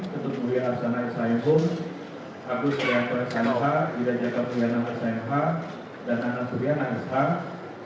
ketutupan ria asana esaenggung agus ria tore sanoa ida jaka ria nama esaenggung dan anak ria nama esaenggung